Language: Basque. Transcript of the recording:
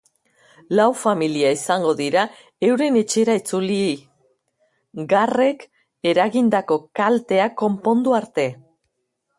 Lau familia ezingo dira euren etxera itzuli, garrek eragindako kalteak konpondu arte.